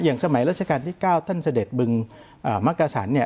อย่างสมัยราชการที่๙ท่านเสด็จบึงมักกาสัน